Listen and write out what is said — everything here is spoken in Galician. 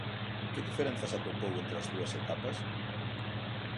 Que diferenzas atopou entre as dúas etapas?